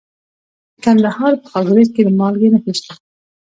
د کندهار په خاکریز کې د مالګې نښې شته.